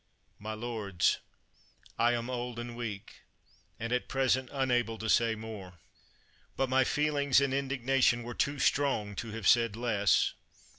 My lords, I am old and weak, and at present unable to say more; but my feelings and in dignation were too strong to have said less.